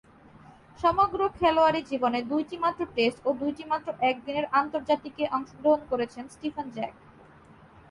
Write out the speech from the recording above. সমগ্র খেলোয়াড়ী জীবনে দুইটিমাত্র টেস্ট ও দুইটিমাত্র একদিনের আন্তর্জাতিকে অংশগ্রহণ করেছেন স্টিভেন জ্যাক।